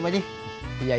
kopi aku balik